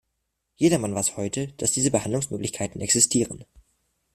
Jedermann weiß heute, dass diese Behandlungsmöglichkeiten existieren.